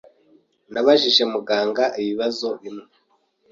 Nabajije muganga ibibazo bimwe.